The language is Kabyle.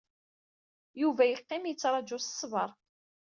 Yuba yeqqim yettṛaju s ṣṣber.